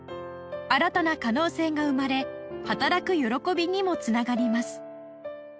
新たな可能性が生まれ働く喜びにも繋がります